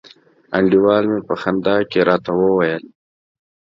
انډیوال می په خندا کي راته وویل